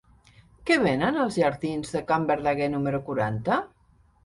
Què venen als jardins de Can Verdaguer número quaranta?